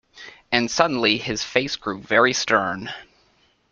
And suddenly his face grew very stern.